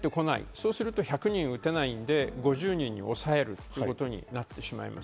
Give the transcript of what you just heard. そうすると１００人打てないので５０人に抑えるということになってしまいます。